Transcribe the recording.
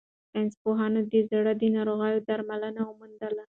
ساینس پوهانو د زړه د ناروغیو درمل وموندل.